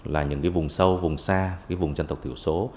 là những vùng sâu vùng xa vùng dân tộc thiểu số